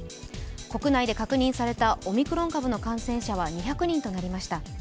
国内で確認されたオミクロン株の感染者は２００人となりました。